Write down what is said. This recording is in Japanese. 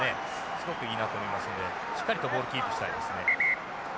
すごくいいなと思いますのでしっかりとボールキープしたいですね。